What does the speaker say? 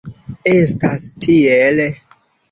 Estas tiel?